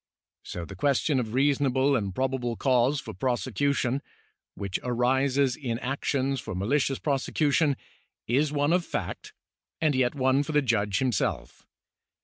So the question of reasonable and probable cause for prosecution — which arises in actions for malicious prose cution— is one of fact and yet one for the judge himself.